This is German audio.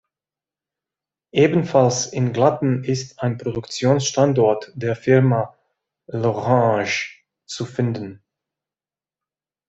Ebenfalls in Glatten ist ein Produktionsstandort der Firma L’Orange zu finden.